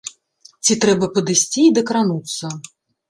Ці трэба падысці і дакрануцца.